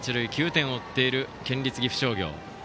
９点を追っている県立岐阜商業。